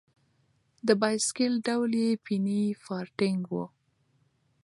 د بایسکل ډول یې پیني فارټېنګ و.